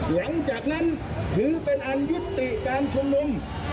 หลังจากนั้นถือเป็นอันยุติการชุมนุม